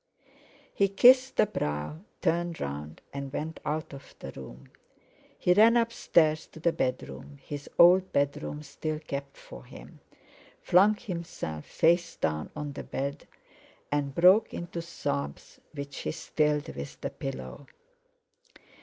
He kissed the brow, turned round and went out of the room. He ran upstairs to the bedroom, his old bedroom, still kept for him; flung himself face down on the bed, and broke into sobs which he stilled with the pillow....